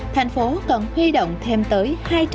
thành phố cần khuyết động thêm tới